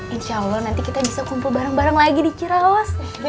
insya allah nanti kita bisa kumpul bareng bareng lagi di cirawas